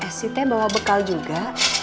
eh siti bawa bekal juga